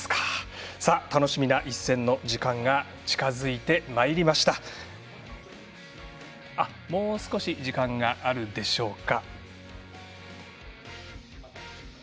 楽しみな一戦の時間が近づいてまいりましたがもう少し時間があるでしょうか。